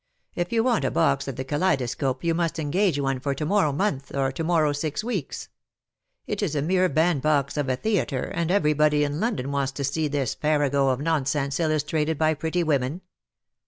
If you want a box at the Kaleidoscope you must engage one for to morrow month — or to morrow six weeks. It is a mere bandbox of a theatre, and everybody in London wants to see this farrago of nonsense illustrated by pretty women.''